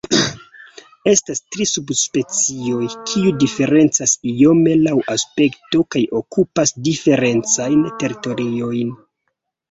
Estas tri subspecioj, kiu diferencas iome laŭ aspekto kaj okupas diferencajn teritoriojn.